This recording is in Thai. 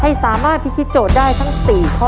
ให้สามารถพิธีโจทย์ได้ทั้ง๔ข้อ